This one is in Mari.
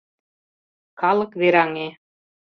Калык вераҥе.